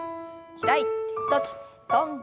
開いて閉じて跳んで。